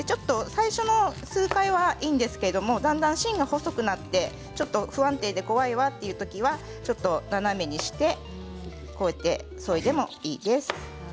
最初の数回はいいんですけどだんだん芯が細くなって不安定で怖いという時には斜めにしてそいでもいいです。